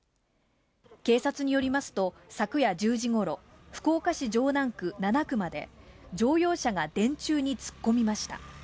警察によりますと、昨夜１０時頃、福岡市城南区七隈で乗用車が電柱に突っ込みました。